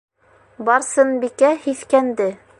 Барсынбикә һиҫкәнде.